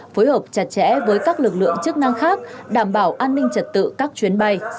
phối hợp chặt chẽ với các lực lượng chức năng khác đảm bảo an ninh trật tự các chuyến bay